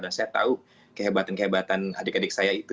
dan saya tahu kehebatan kehebatan adik adik saya itu